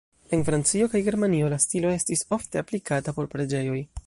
En Francio kaj Germanio la stilo estis ofte aplikata por preĝejoj.